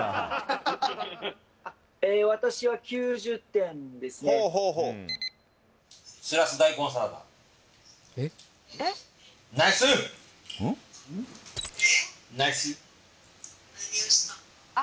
私は９０点ですねああ